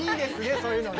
そういうのね。